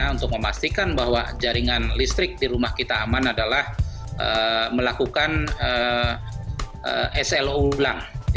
untuk memastikan bahwa jaringan listrik di rumah kita aman adalah melakukan slo ulang